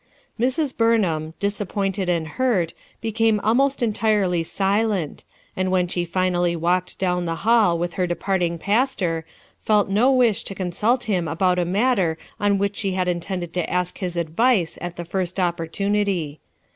Mrs. Burnham, disappointed and hurt, became almost entirely silent, and when she finally walked down the hall with her departing pastor, felt no wish to consult him about a matter on which she had intended to ask lug advice at the first opportunity.